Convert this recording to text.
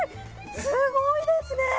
すごいですね。